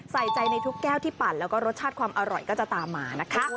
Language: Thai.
ใส่ใจในทุกแก้วที่ปั่นแล้วก็รสชาติความอร่อยก็จะตามมานะคะ